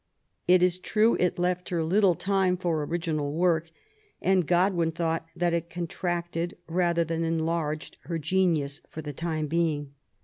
It is true it left her little time for original work, and Godwin thought that it contracted rather than enlarged her genius for the time being.